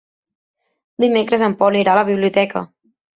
Dimecres en Pol irà a la biblioteca.